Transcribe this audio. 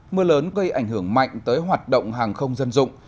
mưa lớn gây ảnh hưởng mạnh tới hoạt động hàng không dân dụng